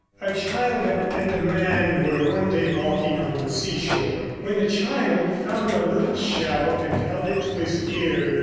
A child and a man were one day walking on the seashore when the child found a little shell and held it to his ear.